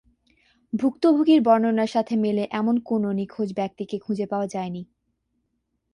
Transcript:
ভুক্তভোগীর বর্ণনার সাথে মেলে এমন কোনও নিখোঁজ ব্যক্তিকে খুঁজে পাওয়া যায়নি।